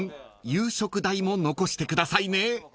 夕食代も残してくださいね］